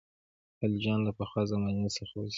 خلجیان له پخوا زمانې څخه اوسېږي.